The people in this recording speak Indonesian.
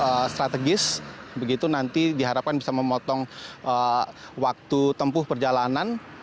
yang strategis begitu nanti diharapkan bisa memotong waktu tempuh perjalanan